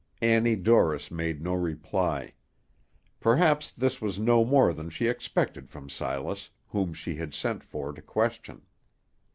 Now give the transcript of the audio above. Annie Dorris made no reply. Perhaps this was no more than she expected from Silas, whom she had sent for to question.